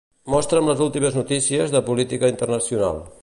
Mostra'm les últimes notícies de política internacional.